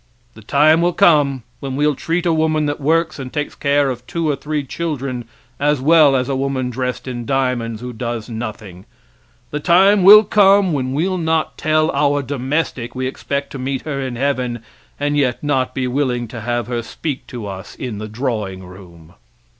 The time will come when we'll treat a woman that works and takes care of two or three children as well as a woman dressed in diamonds who does nothing. The time will come when we'll not tell our domestic we expect to meet her in heaven, and yet not be willing to have her speak to us in the drawing room.